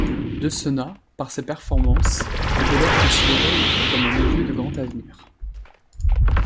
Dessena, par ses performances, est dès lors considéré comme un milieu de grand avenir.